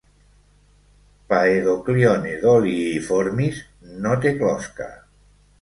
"Paedoclione doliiformis" no té closca.